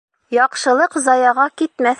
Яҡшылыҡ заяға китмәҫ.